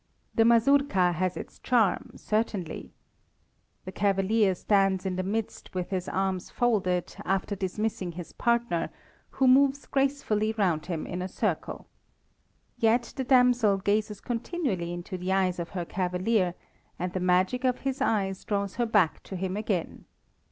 The mazurka has its charm, certainly. The cavalier stands in the midst with his arms folded, after dismissing his partner, who moves gracefully round him in a circle. Yet the damsel gazes continually into the eyes of her cavalier, and the magic of his eyes draws her back to him again.